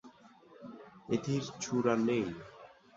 এটির চূড়া নেই।